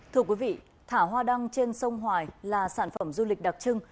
thả hoa đăng trên sông hoài là sản phẩm du lịch đặc trưng